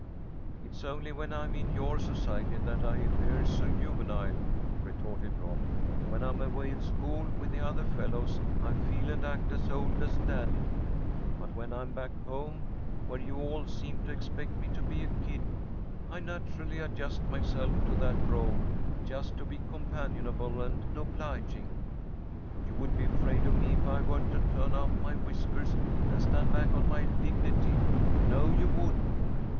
"It's only when I am in your society that I appear so juvenile," retorted Rob. "When I'm away at school with the other fellows, I feel and act as old as Daddy, but when I'm back home, where you all seem to expect me to be a kid, I naturally adjust myself to that role just to be companionable and obliging. You would be afraid of me if I were to turn out my whiskers and stand back on my dignity. You know you would."